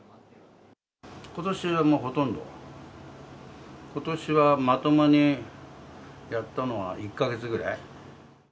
ことしはもうほとんど、ことしはまともにやったのは１か月くらい。